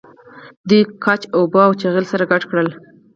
دوی ګچ او اوبه او چغل سره ګډول.